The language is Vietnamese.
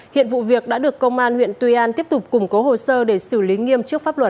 hiện vụ việc đã được công an huyện tuy an tiếp tục củng cố hồ sơ để xử lý nghiêm trước pháp luật